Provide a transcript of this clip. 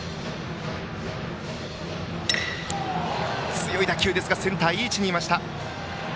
強い打球ですがセンター、いい位置にいました。